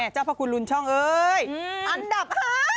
เจ้าพระคุณลุนช่องเอ้ยอันดับ๕